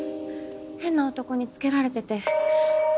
変な男につけられてて。